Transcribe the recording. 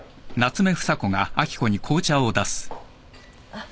あっ。